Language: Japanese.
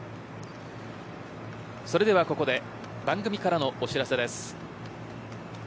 それでは、ここで番組からのお知らせです。